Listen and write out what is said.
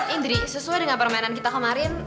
indri sesuai dengan permainan kita kemarin